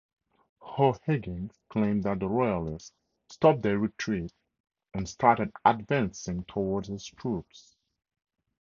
O'Higgins claimed that the royalists stopped their retreat and started advancing towards his troops.